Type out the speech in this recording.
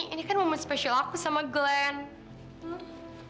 ini kan momen spesial aku sama glenn